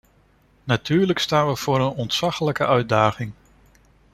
Natuurlijk staan we voor een ontzaglijke uitdaging.